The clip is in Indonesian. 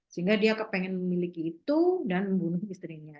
sehingga dia kepengen memiliki itu dan membunuh istrinya